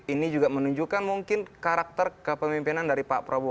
ini juga menunjukkan mungkin karakter kepemimpinan dari pak prabowo